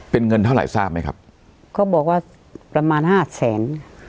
เป็นเงินเท่าไหร่ทราบไหมครับเขาบอกว่าประมาณห้าแสน